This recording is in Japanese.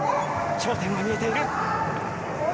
頂点が見えている。